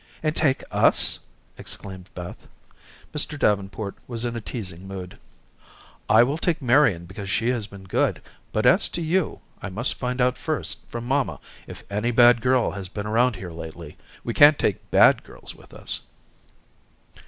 "And take us?" exclaimed Beth. Mr. Davenport was in a teasing mood. "I will take Marian because she has been good, but as to you, I must find out first from mamma if any bad girl has been around here lately. We can't take bad girls with us."